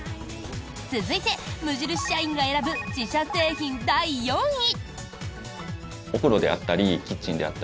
続いて、無印社員が選ぶ自社製品第４位。